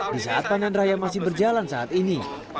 di saat panen raya masih berjalan saat ini